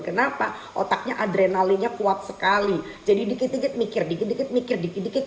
kenapa otaknya adrenalinnya kuat sekali jadi dikit dikit mikir dikit dikit mikir dikit dikit